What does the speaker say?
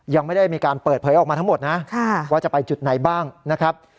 ยังไม่ได้มีการเปิดเผยออกมาทั้งหมดนะว่าจะไปจุดไหนบ้างนะครับ